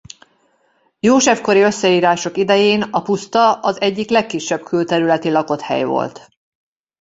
József kori összeírások idején a puszta az egyik legkisebb külterületi lakott hely volt.